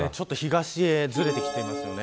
東へずれてきています。